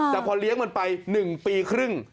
แต่พอเลี้ยงมันไป๑ปีครึ่ง